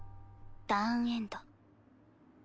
ターンエンド。